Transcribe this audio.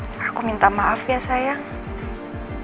maafin aku aku belum bisa nemenin kamu di saat sibuk kamu kayak begini